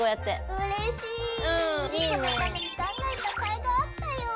莉子のために考えたかいがあったよ。